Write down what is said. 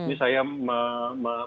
ini saya mencari